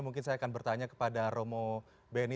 mungkin saya akan bertanya kepada romo beni